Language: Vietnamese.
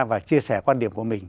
và chia sẻ quan điểm của mình